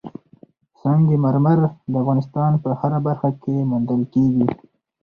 سنگ مرمر د افغانستان په هره برخه کې موندل کېږي.